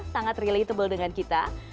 sangat relatable dengan kita